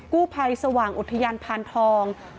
กู้ภัยก็เลยมาช่วยแต่ฝ่ายชายก็เลยมาช่วย